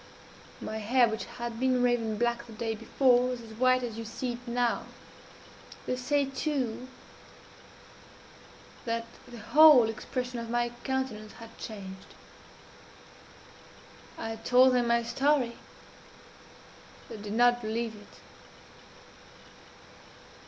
My hair, which had been raven black the day before, was as white as you see it now. They say too that the whole expression of my countenance had changed. I told them my story they did not believe it.